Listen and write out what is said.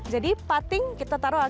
jadi putting kita taruh di bagian bawah